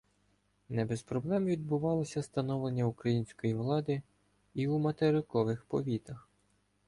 Не без проблем відбувалося становлення української влади і у материкових повітах.